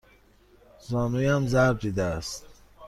زانویم ضرب دیده است.